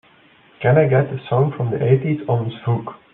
Can i get a song from the eighties on Zvooq